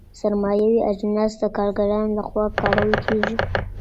سرمایوي اجناس د کارګرانو لخوا کارول کیږي.